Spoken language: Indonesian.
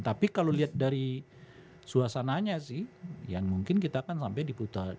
tapi kalau lihat dari suasananya sih yang mungkin kita kan sampai di dua putaran